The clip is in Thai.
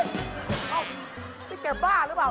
นี่เก็บบ้าหรือเปล่า